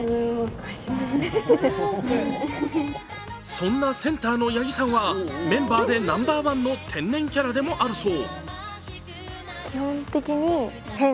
そんなセンターの八木さんはメンバーでナンバーワンの天然キャラでもあるそう。